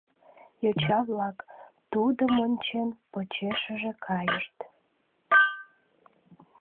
Йоча-влак, тудым ончен, почешыже кайышт.